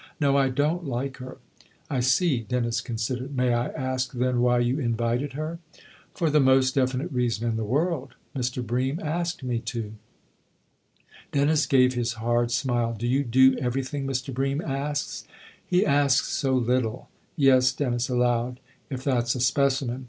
" No I don't like her." " I see," Dennis considered. " May I ask then why you invited her ?"" For the most definite reason in the world. Mr. Bream asked me to." Dennis gave his hard smile. " Do you do every thing Mr. Bream asks ?" 122 THE OTHER HOUSE " He asks so little !"" Yes," Dennis allowed " if that's a specimen